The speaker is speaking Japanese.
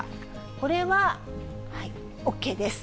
これはＯＫです。